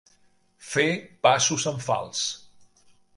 Fer passos en fals.